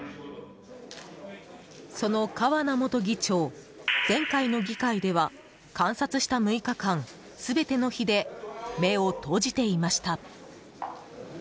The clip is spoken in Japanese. その川名元議長前回の議会では観察した６日間全ての日で目を閉じていました。